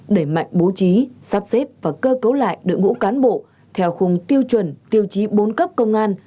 đẩy mạnh bố trí sắp xếp và cơ cấu lại đội ngũ cán bộ theo khung tiêu chuẩn tiêu chí bốn cấp công an